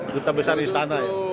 duta besar istana ya